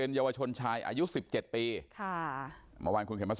ตอนนี้กำลังจะโดดเนี่ยตอนนี้กำลังจะโดดเนี่ย